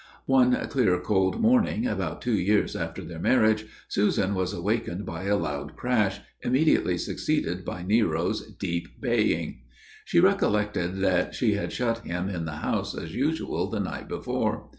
One clear, cold morning, about two years after their marriage, Susan was awakened by a loud crash, immediately succeeded by Nero's deep baying. She recollected that she had shut him in the house, as usual, the night before.